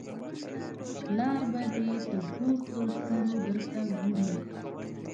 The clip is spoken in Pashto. پلار به دې د ګور تر سوړو درته ګوري.